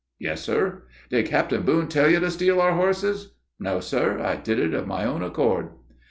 "Yes, sir." "Did Captain Boone tell you to steal our horses?" "No, sir, I did it of my own accord."